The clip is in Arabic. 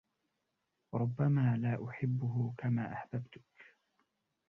ربّما لا أحبّه كما أحببتك.